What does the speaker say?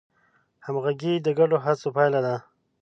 همغږي د ګډو هڅو پایله ده.